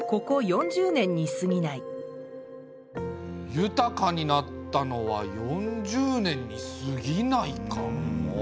豊かになったのは４０年にすぎないか。